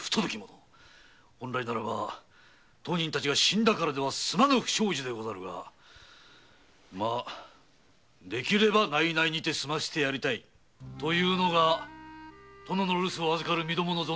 本来ならば当人たちが死んだからでは済まぬ不祥事でござるができれば内々にて済ませてやりたいというのが殿の留守を預かる身共の存念。